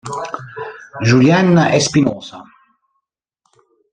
Julien Espinosa